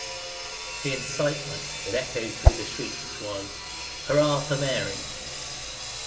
The incitement that echoed through the streets was: Hurrah for Mary!